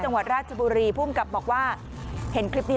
จังหวัดราชบุรีแต่เคยมีคลิปเนี่ย